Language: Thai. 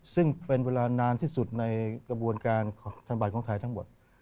ซึ่งเป็นเวลานานที่สุดในกระบวนการของธนบัตรของไทยทั้งหมด